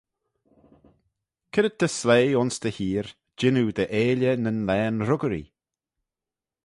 C'red ta sleih ayns dty heer jannoo dy 'eailley nyn laghyn ruggyree?